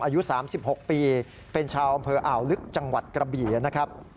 อายุ๓๖ปีเป็นชาวอำเภออ่าวลึกจังหวัดกระบี่นะครับ